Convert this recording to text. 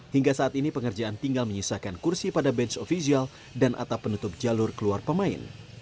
hingga saat ini pengerjaan tinggal menyisakan kursi pada bench official dan atap penutup jalur keluar pemain